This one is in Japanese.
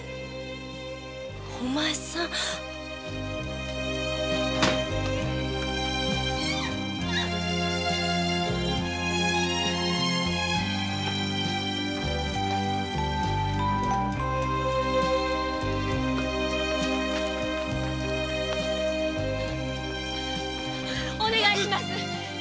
お前さんお願いがあります